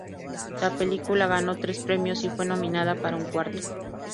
La película ganó tres premios y fue nominada para un cuarto.